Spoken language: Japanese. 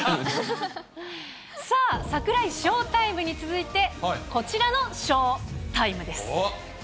さあ、櫻井ショータイムに続いて、こちらのショータイムです。